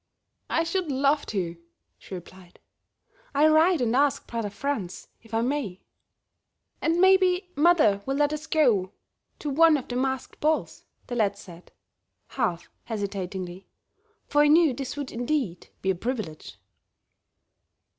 "I should love to," she replied. "I'll write and ask brother Franz if I may." "And maybe mother will let us go to one of the masked balls," the lad said, half hesitatingly, for he knew this would, indeed, be a privilege.